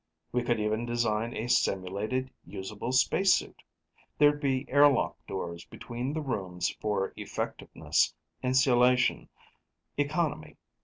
We could even design a simulated, usable spacesuit. There'd be airlock doors between the rooms for effectiveness, insulation, economy.